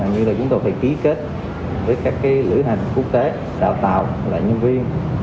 như là chúng tôi phải ký kết với các lữ hành quốc tế đào tạo là nhân viên